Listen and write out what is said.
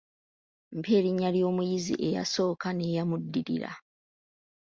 Mpa erinnya ly'omuyizi eyasooka n’eyamuddirira.